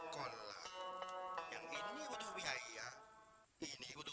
tuh tuh tuh